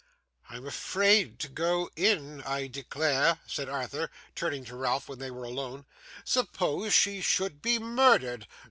'I am almost afraid to go in, I declare,' said Arthur, turning to Ralph when they were alone. 'Suppose she should be murdered.